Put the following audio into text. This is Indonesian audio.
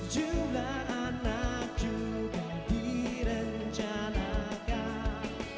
jumlah anak juga direncanakan